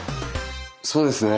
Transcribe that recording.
そうですね。